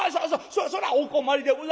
そらお困りでございましょう。